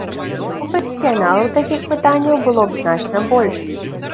У прафесіяналаў такіх пытанняў было б значна больш.